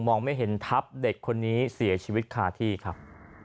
ไม่เห็นทับเด็กคนนี้เสียชีวิตคาที่ครับ